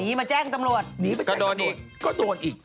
หนีมาแจ้งตำรวจก็โดนอีก